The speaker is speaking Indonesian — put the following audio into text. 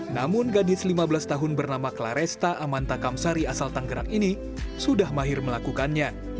namun gadis lima belas tahun bernama claresta amanta kamsari asal tanggerang ini sudah mahir melakukannya